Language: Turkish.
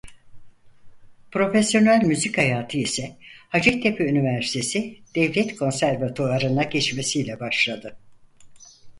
Profesyonel müzik hayatı ise Hacettepe Üniversitesi Devlet Konservatuvarı'na geçmesiyle başladı.